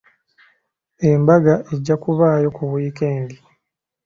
Embaga ejja kubaayo ku wiikendi.